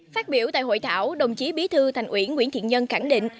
phát biểu tại hội thảo đồng chí bí thư thành ủy nguyễn thiện nhân khẳng định